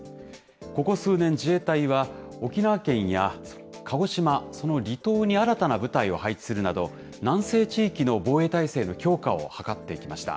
ここ数年、自衛隊は沖縄県や鹿児島、その離島に新たな部隊を配置するなど、南西地域の防衛体制の強化を図ってきました。